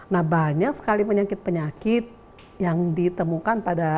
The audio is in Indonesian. nah banyak sekali penyakit penyakit yang ditemukan pada